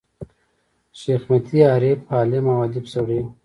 شېخ متي عارف، عالم او اديب سړی وو.